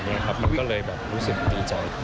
มันก็เลยรู้สึกดีจ้อย